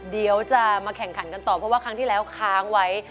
เดี๋ยวจะมาแข่งขันกันต่อเพราะว่าครั้งที่แล้วค้างไว้